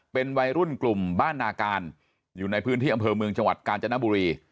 เป็นวัยรุ่นกลุ่มบ้านนาการอยู่ในพื้นที่อำเภอเมืองจังหวัดกาญจนบุรี